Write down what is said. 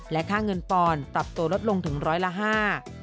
และค่าเงินปอนด์ปรับตัวลดลงถึงร้อยละห้า